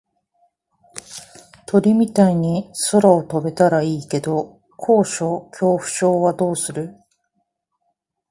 鳥みたいに空を飛べたらいいけど高所恐怖症はどうする？